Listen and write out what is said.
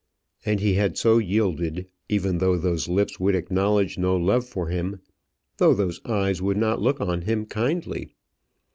And he had so yielded, even though those lips would acknowledge no love for him; though those eyes would not look on him kindly.